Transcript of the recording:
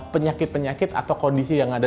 penyakit penyakit atau kondisi yang ada